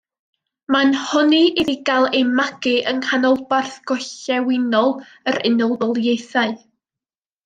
Mae'n honni iddi gael ei magu yng nghanolbarth gorllewinol yr Unol Daleithiau.